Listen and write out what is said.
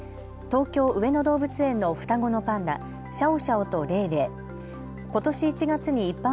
東京上野動物園の双子のパンダ、シャオシャオとレイレイ。